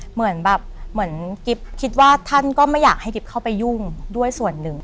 เหมือนแบบเหมือนกิ๊บคิดว่าท่านก็ไม่อยากให้กิ๊บเข้าไปยุ่งด้วยส่วนหนึ่ง